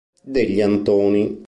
Degli Antoni